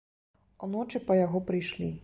Уночы па яго прыйшлі.